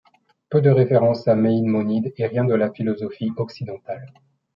Peu de références à Maïmonide et rien de la philosophie occidentale.